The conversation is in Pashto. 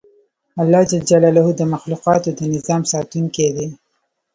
الله ج د مخلوقاتو د نظام ساتونکی دی